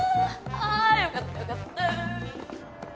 あよかったよかった！